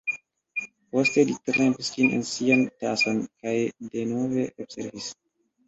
Poste li trempis ĝin en sian tason, kaj denove observis.